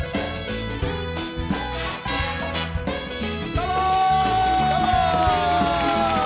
どうもー！